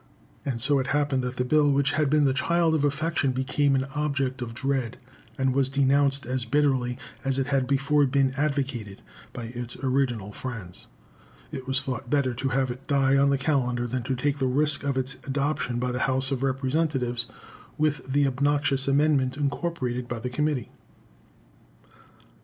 And so it happened that the bill which had been the child of affection became an object of dread, and was denounced as bitterly as it had before been advocated by its original friends. It was thought better to have it die on the calendar than to take the risk of its adoption by the House of Representatives with the obnoxious amendment incorporated by the committee.